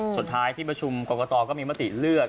สุดท้ายที่ประชุมกรกตก็มีมติเลือก